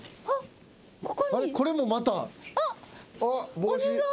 帽子。